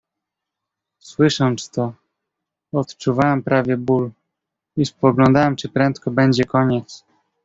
"Słysząc to, odczuwałem prawie ból i spoglądałem czy prędko będzie koniec."